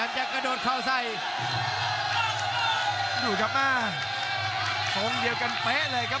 กระโดดเข้าใส่สงเดียวกันเป๊ะเลยครับ